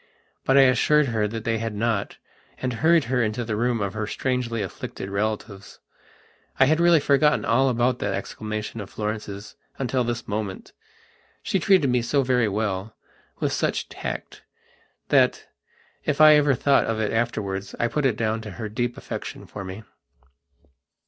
But I assured her that they had not and hurried her into the room of her strangely afflicted relatives. I had really forgotten all about that exclamation of Florence's until this moment. She treated me so very wellwith such tactthat, if I ever thought of it afterwards I put it down to her deep affection for me.